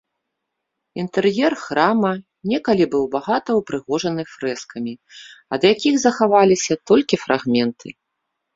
Інтэр'ер храма некалі быў багата ўпрыгожаны фрэскамі, ад якіх захаваліся толькі фрагменты.